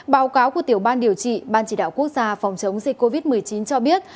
báo cáo của tiểu ban điều trị ban chỉ đạo quốc gia phòng chống dịch covid một mươi chín cho biết